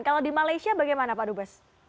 kalau di malaysia bagaimana pak dubes